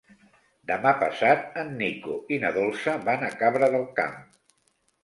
Demà passat en Nico i na Dolça van a Cabra del Camp.